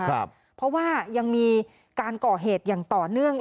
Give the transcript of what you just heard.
เพราะว่ายังมีการก่อเหตุอย่างต่อเนื่อง